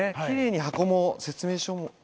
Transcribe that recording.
「きれいに箱も説明書も」